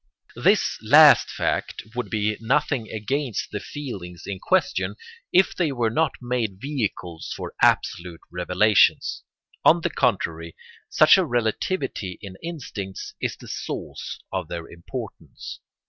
] This last fact would be nothing against the feelings in question, if they were not made vehicles for absolute revelations. On the contrary, such a relativity in instincts is the source of their importance.